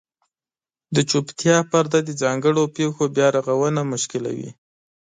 د چوپتیا پرده د ځانګړو پېښو بیارغونه مشکلوي.